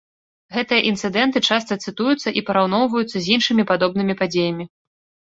Гэтыя інцыдэнты часта цытуюцца і параўноўваюцца з іншымі падобнымі падзеямі.